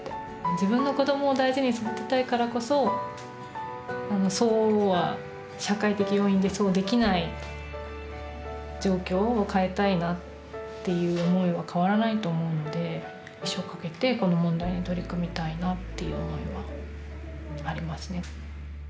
自分の子どもを大事に育てたいからこそそうは社会的要因でそうできない状況を変えたいなっていう思いは変わらないと思うんで一生かけてこの問題に取り組みたいなっていう思いはありますね。